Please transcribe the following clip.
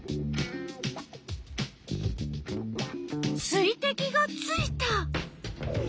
水てきがついた！